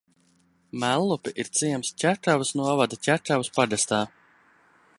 Mellupi ir ciems Ķekavas novada Ķekavas pagastā.